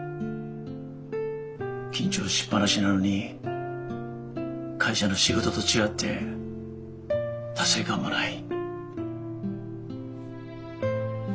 緊張しっぱなしなのに会社の仕事と違って達成感もない。